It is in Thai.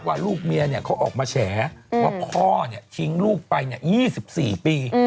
ว่าลูกเมียเขาออกมาแฉว่าพ่อทิ้งลูกไป๒๔ปี